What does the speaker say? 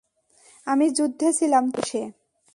আমি যুদ্ধে ছিলাম তোমার বয়সে?